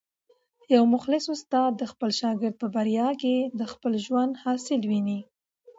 یو مخلص استاد د خپل شاګرد په بریا کي د خپل ژوند حاصل ویني.